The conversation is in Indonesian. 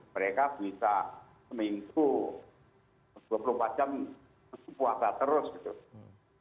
mereka bisa seminggu dua puluh empat jam puasa terus gitu